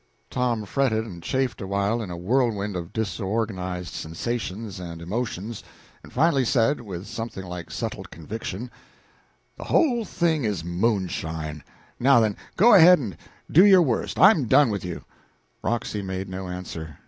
Tom fretted and chafed awhile in a whirlwind of disorganizing sensations and emotions, and finally said, with something like settled conviction "The whole thing is moonshine; now then, go ahead and do your worst; I'm done with you." Roxy made no answer.